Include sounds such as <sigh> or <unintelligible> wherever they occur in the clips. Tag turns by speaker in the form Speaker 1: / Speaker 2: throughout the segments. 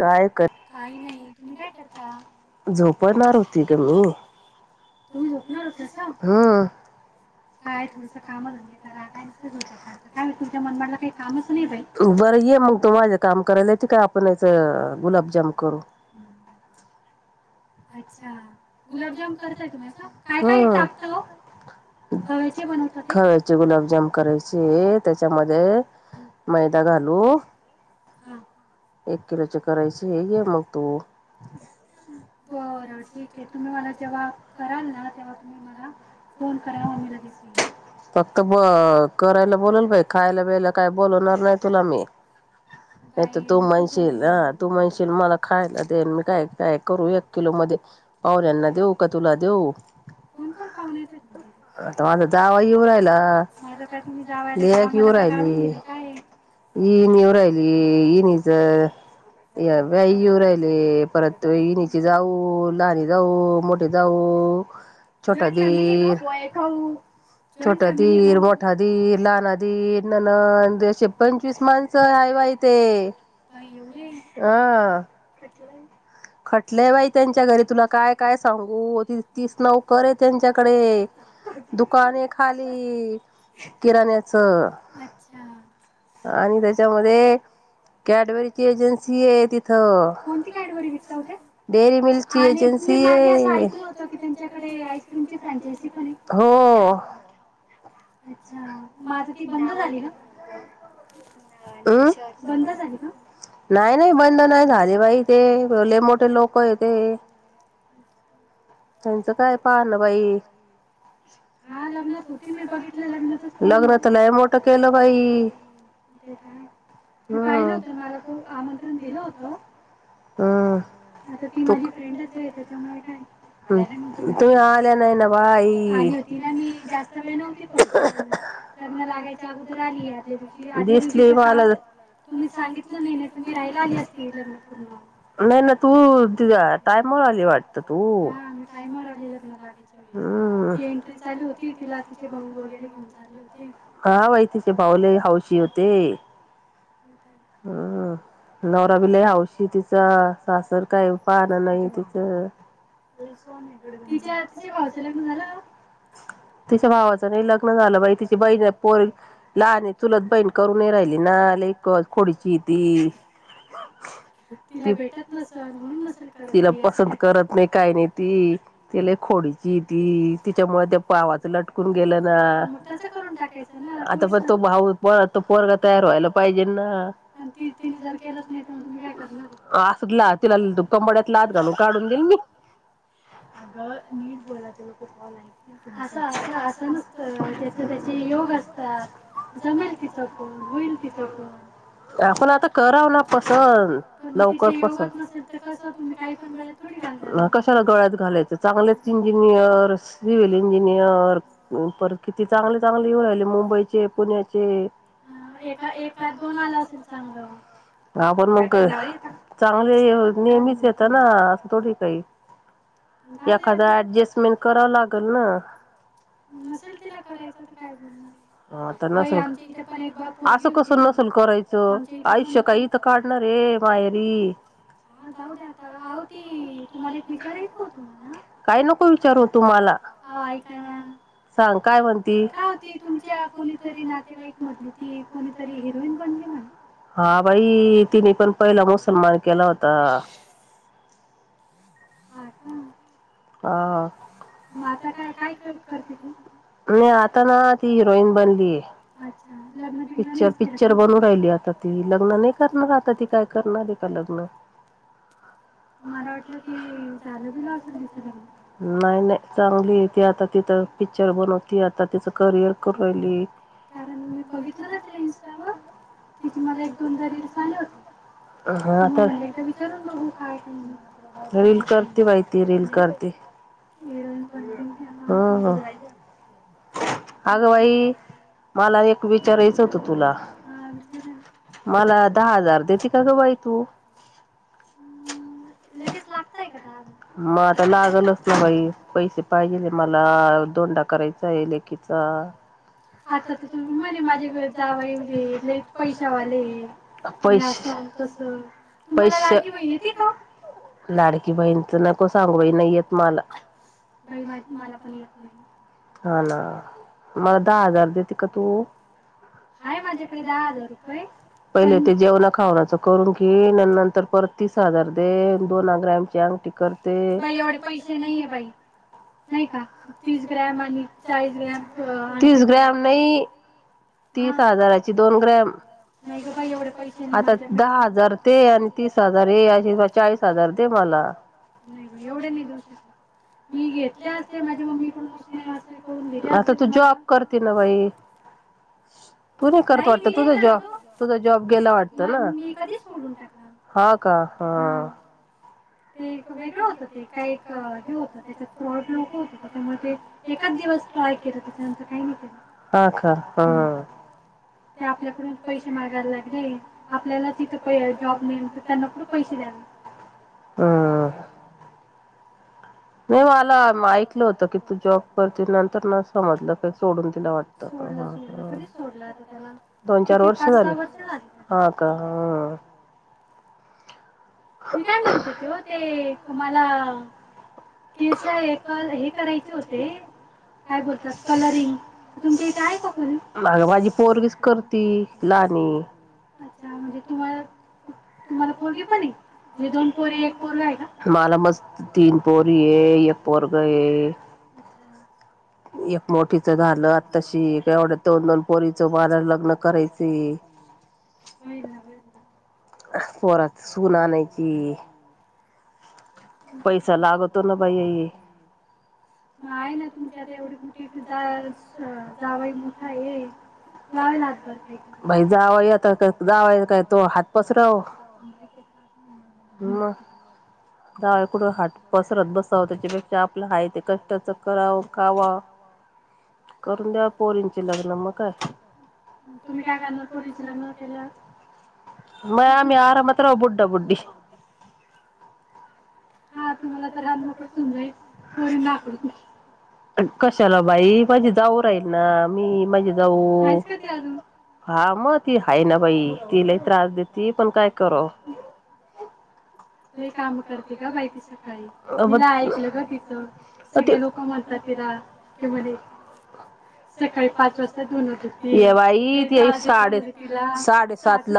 Speaker 1: काय कर काय नायी, तुम्ही काय करता? झोपणार होती गं मी तुम्ही झोपणार होतासा ह अ काय तुमचे काम-धंदे करा काय नुसतं झोपून काढतासा काय बाइ तुमच्या मनमाडला कामचं नायी बाई! बरं ये म तु माझे काम करायला येती का आपण त गुलाबजाम करू? अच्छा! गुलाबजाम करताय तुम्ही आता, काय काय टाकता ओ? खव्याचे बनवतात ना खव्याचे गुलाबजाम करायचे त्याच्यामध्ये मैदा घालू एक किलोचे करायचे ये मग तू. मव क करा फक्त ब करायला बोलाल बाई खायला बयला काय बोलणार नाही तुला मी नाही तर तू म्हणशील ह तू म्हणशील मला खायला देन मी काय काय करू किलो मध्ये पावण्या्यांना देऊ का तुला देऊ आता माझा दवा येऊ राहिलाकऊ राहिली इणीऊ राहिली इणीच व्याईऊ राहिले परतणी जाऊ लहणी जाऊ मोठे जाऊ छोटा दीर छोटा दीर मोठा दीर लना दीर नशे पंचवीस माणस आईवाह ते ह म्हटलंय बाई त्यांच्या घरी तुला काय काय सांगू त तीच नवकर आहे त्यांच्याकडे दुकान आहे खाली किराण्याच आणि त्याच्यामध्ये कॅडबरीची एजन्सी आहे तिथ डेरी मिज्सी आहे हो नाही नाही बंद नाही झाले बाई ते होे लो ते त्यांच काय पा ना बाई लग्घ लग्न मोठ केलं बाईू आमंतण दिलं हो आता ती माझी फ्रेंडच आहे त्याच्यामुळे तुम् आल्या नाही ना बा तिला मी जास्त वेळ नव्हती प लग्न लागायच्या अगोदर आली आदल्या दिवशी तुम्ही सांगितलं नाही तुम् राला आली असते लग्न पूर्ण ननत तू त टायमवर आली वाटत तू हा मी ते तिथे एन्ट्री चालू होती तिचे भाऊला हौशी होते नवरा पण बाई हौशी तिचा सासर काय पाहणं नाही तिच्या भावाच लग्न नाही झालं काहो झाल तिच्या भावाचं नाही लग्न झालं बाई तिची बहीण पोर लहान चुलत बहीण करून राहिली ना ती लय खोडीची आहे ती
Speaker 2: पटत नसलं म्हणून नसेल करत ती अस काय मग त्याच करून टाकायचं ना कोणी सर तिने जर केलंच नाही तर मग तुम्ही काय करणार
Speaker 1: तीला कंबड्या लात घालून काढून देईन मी अग निट बोला ते लोक कॉल ऐकतात कशाला गळ्यात घालायचं चांगलेच इंजिनियर सिव्हल इंजिनियर किती चांगले चांगले राहिले मुंबईचे पुण्याचे पण मग एखाद दोन आले असेल चांगले बोल चांगले नेहमीच येतं ना अस थोडी काही एखाद ऍडजस्टमेंट कराव लागेल नाल तला क तर नसेल असं कस नसेल करायचं आयुष्य काही तर काढणार आहे माहेरी काय ती मला एक विचारायचं होतं काय नको विचारू तु मला अहो ते सांग काय म्हणती ते तुमच्या नातेवाईक मधली ती कोणीतरी हीरोइन बनली म्हणे हा बाई तिने पण लय झाली पहिला मस्त केला होता
Speaker 2: हा का मग आता काय काय करते ती आता ना पिक्चर बनून राहिली ती अच्छा लग्न बिघ्न नाहीच केलं
Speaker 1: लग्न मला वाटल
Speaker 2: म्हलं कि झालं बिलं असेल ति लग्न कारण मी बघितलं ना तिला इंस्टावर तिची मला एक दोनदा रीलल्स आले होते
Speaker 1: हा त तर विचारून बघू काय आहे काय नाही
Speaker 2: हिरोईन बनली ते आता ह अग बाई मला एक विचारायचं होतं हा विचार ना मला दहा हजार देते का ग
Speaker 1: हो लगेच मग आता लागेच लागता आहे दहा हजार रुपये का हा ना बाई पैसे पाहिजे मला दोंडा करायचा आहे लेकीचा आता तर तुम्ही म्हणे माझे जावई लई पैसे वाले आहे असं तसं का पैसे तुम्हाला लाडकी बहिनी येती काहो लाडकी बईच नको सांगू बाई नाही येत मला पण हा ना मला पण नाही येत मला दहा हजार देते का तू माझ्याकडे दहा हजार रुपये आहे पहिले ते जेवणा खावनाच बघते करून घेईल, आणि नंतर परत तीस हजार देन आणि दोन ग्रँमची अंगठी करते, बाई एवढे पैसे नाहीये बाई नाही का, तीस ग्रॅम आणि चाळिस ग्रॅम च तीस ग्रॅम नाही, तीस हजाराची दोन ग्रॅम नाही गं बाई एवढे पैसे नाही आता दहा हजार ते आणि तीस हजार हे असे चाळीस हजार दे मला नाही गं बाई एवढे नाही देऊ शकत, मी घेतले असते माझ्या मम्मी कडून घेऊन उसने मासणे तुम्हाला दिले असते, आता तु जॉब करती ना बाई? तू नाही करत वाटत तुझा जॉब गेला वाटत. हा मी कधीच सोडून टाकला हा, का हा.
Speaker 2: ते एक वेगळं होतं ते काय एक हे होत त्याच्यात फ्रॉड लोक होते त्याच्यामुळे ते एच दिवस ट्राय केला त्याच्यानंतर काही नाही केलं. ते आपल्याकडून पैसे मागायला लागले, आपल्यालाच इथं प जॉब नाही तर त्यांना कुठं पैसे द्यावे.
Speaker 1: <inaudible> नाही मला माहीत नव्हतं की तू जॉब करती नंतर न समजलं कि सोडून दिला वाटत, सोडला सोडला कधीच सोडला आता त्याला दोन चार वर्ष झाली हा काय हा का
Speaker 2: मी काय म्हणत होते, ते तुमाला केस हे कल करायचे होते काय बोलतात कलरिंग तुमच्या इथे आहे का कोणी अग माझी पोरगीच करती लाणी, अच्छा म्हणजे तुम्हाला पोरगी पण आहे. थे दोन पोरी एक पोरगा आहे, का मला मस्त तीन पोरी आहे एक पोरग आहे, एक मोठीच झालं आताच तेवढ्यात दोन दोन पोरीच मला लग्न करायच आहे. होईल ना होईल
Speaker 1: कुठून आणायची.
Speaker 2: पैसा लागतो ना बाई, म आहे ना तुमची आता एवढी मोठी जावई मोठा ये लावेल हातभार काही तरी, बाई जावई पुढं आता हात पसराव.
Speaker 1: मग.
Speaker 2: जावाई कड हात पसरत बसाव त्यापेक्षा आपलं हाय ते कष्ट करावं, खावाव, करून द्याव पोरींची लग्न मग काय तुम्ही काय करणार पोरींची लग्न केल्यावर बसून मग आम्ही आरामात. काय कराव बुढ्ढा-बुढ्डि. हा तुम्हाला तर हान मोकडच होऊन जाईल पोरींना हकलून दिल्यावर कशाला बाई माझी जाऊ राहील न मी माझी जाऊ हातचं का ती अजून हा मग ती हाय ना बाई ति लई त्रास देती पण काय कराव.
Speaker 1: लई काम कर.
Speaker 2: ग बाहिती सकाळी तिला ऐकलं ग तिच सगळे लोक म्हणतात तिला कि म्हणे सकाळी पाच वाजता धुन धुती लई त्रास देता म्हणे तिला साजू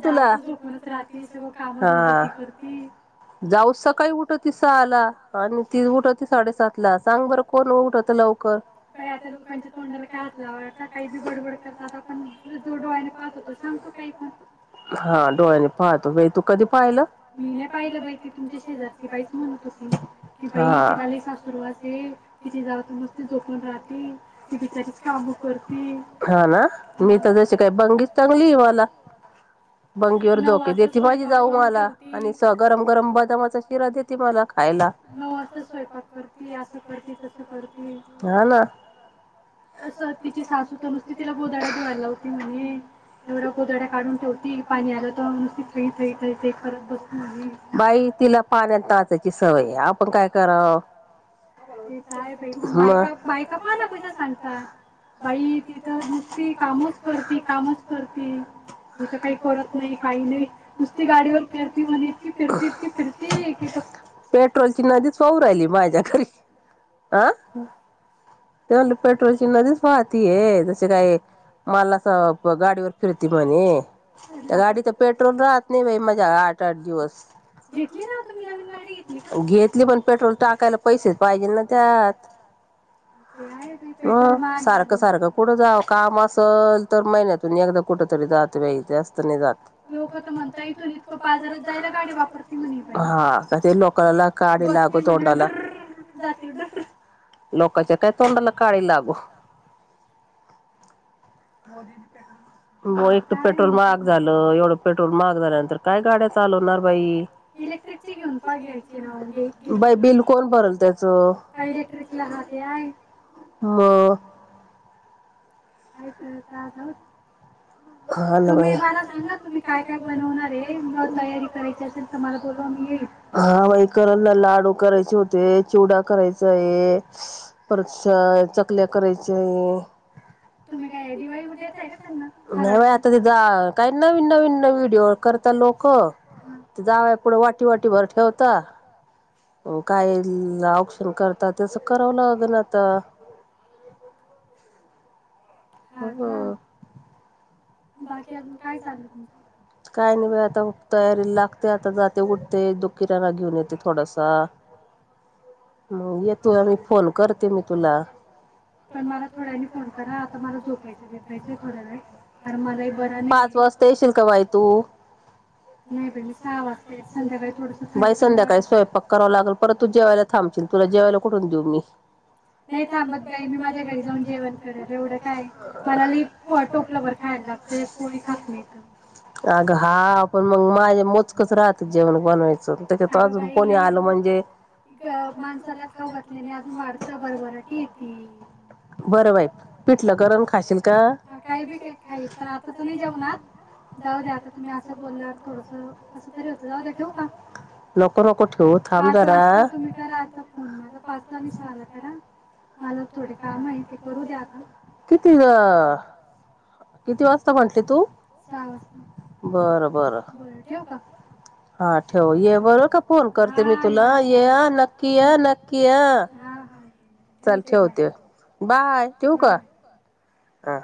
Speaker 2: जाव तर झोप. आपणच राती सगळं.
Speaker 1: काम धंद ती करती हा जावू सकाळी उठती सहाला आणि ती उठती साडे सातला सांग बरं कोण उठतं लवकर आता लोकांच्या तोंडाला काय हात लावा का काही बिबडबड करतात, आपण जो डोळ्याने पाहतो तो सांगतो काही पण हा डोळ्यानं पाहतो बाई दु कधी पाहिलं मी नाय पाहिलं बाई ती तुमच्या शेजारची बाईच म्हणत होती की, बाई लई सासुरवासयं तिची जावू तर नुसतीच झोपून राहती, ती बिचारीच काम करती हा ना मी तर जशी काय बंगीच चांगलीय मला. बंगीवर धोकेे देते माई.
Speaker 2: पाक करून ठेवती नऊ वाजता स्वयंपाक करती, असं करती तस करतीहा ना हा ना तिची सासू तर नुसती तिला गोदाड्या धुवायला लावती म्हणे एवढा गोदाड्या काढून ठेवती.
Speaker 1: पाणी आल तवा नुस्थि थई थई ते ब बाई तिला पाण्यात टाचायची सवये आपण काय कराव, काय बाई बायका पाह न कश्या सांगतात बाई ति तर नुस्थि कामच करती ती तर काही करत नाही काय नाही.
Speaker 2: ती गाडीवर फिरती म्हणे इतकी फिरती इतकी फिरती की <inaudible>
Speaker 1: गाडी तर पेट्रोल राहत नाही बाई माझा आठ आठ दिवस घेतली पण पेट्रोल टाकायला पैसेच पाहिजे ना त्यात. सारखं सारखं कुठं जाव काम असल तर महिन्यातून एकदा कुठ तरी जात बाई असत जात लक
Speaker 2: थून इतकं बाजारात जायला गाडी वापरती म्ह बाई बसती म्हणा डर जाते डर
Speaker 1: व एक त पेट ट्रोल महाग झालं एवढ पेट्रोल महाग झाल्यानंतर काय गाड्या चालवणार बाई इलेक्ट्रिक ची घेऊन पा घेऊन घ्यायची घेईत बाई बिल कोण भरल त्याच हा इलेक्ट्रिकला ते आहे म <unintelligible> हा न बाई तुम्ही मला सांगा तुम्ही काय काय बनव णारे म तयारी करायची असेल त मला बोलवा मी येईल. हा बाई करणला, लाडू करायचे, होते चिवडा करायचा आहे, स परत स चकल्या करायचे
Speaker 2: तुम्ही काय दिवाळीमध्ये येतय का त्यांना?
Speaker 1: ह आता ते जा काय नवीन नवीन नवीन व्हिडिओ करता लोक ते जावया पुुढं वाटी वाटी भर ठेवता, काय औक्षण करता‌ तस करावं लागल आता ह.
Speaker 2: बाकी अजून काय चाललंय तुमचं? <unintelligible> पण मला थोड्यानी फोन करा आ तर मला जोपायचं बिपायचं थोड्या वेळ फार मलाही बरा नाही आहे नाही बाई मी सहा वाजतायेत संध्याकाळी थोडस थंड थंडत नाही थांबत बाई मी माझ्या घरी जाऊन जेवण करल एवढं
Speaker 1: म्हणाली व टोपलं भर
Speaker 2: खायला लागत एक पोळी खात नाहीथ अगं बाई ग माणसाला खाऊ घातले नाही अजून वाढत बरभराटी येती
Speaker 1: ल गरम खाशील का ह काय बी काय
Speaker 2: पण आता तर नाही जेवणार जाऊ द्या आता तुम्ही असं बोलल्यावर थोडस कस तरी होतं जाऊ द ठेवू का पाच वाजता तुम्ही करा आता फोन मला पाचला नाही सला करा मला थोडे काम आहे ते करू द्या आता
Speaker 1: किती ग?
Speaker 2: किती वाजता म्हटली तू सहा वाजता बर बर बर ठेऊ का हा ठेव नक्की या नक्की या या हा हा ये ठेवते बाय बाय बाय.
Speaker 1: आ.